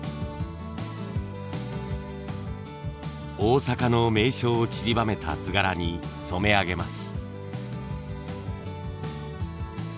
大阪の名所を散りばめた図柄に染め上げます。